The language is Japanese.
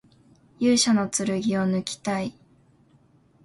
勇者の剣をぬきたい